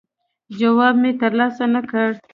جواب مو ترلاسه نه کړ.